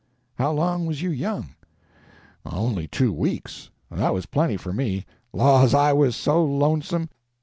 "How long was you young?" "Only two weeks. That was plenty for me. Laws, I was so lonesome!